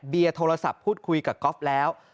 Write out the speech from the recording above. เบี้ยโทรศัพท์พูดคุยกับทำคลิปแล้ว